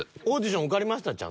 オーディション受かりました？